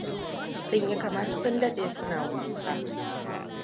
Sun yi kamar sun dade suna kuka.